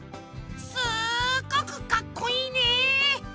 すっごくかっこいいね！